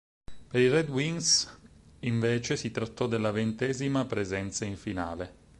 Per i Red Wings invece si trattò della ventesima presenza in finale.